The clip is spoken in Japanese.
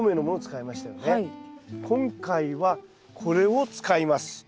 今回はこれを使います。